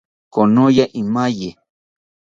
Konoya imaye